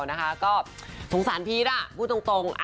นะคะก็สงสารพีชพูดตรง